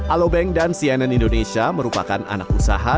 alobank dan cnn indonesia merupakan anak usaha